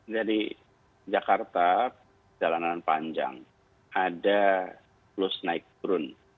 jadi jakarta jalanan panjang ada plus naik turun